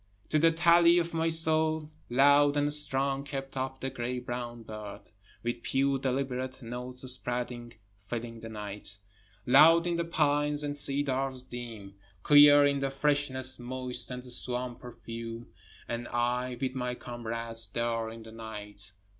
15 To the tally of my soul, Loud and strong kept up the gray brown bird, With pure deliberate notes spreading filling the night. Loud in the pines and cedars dim, Clear in the freshness moist and the swamp perfume, And I with my comrades there in the night.